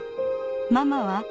ママは？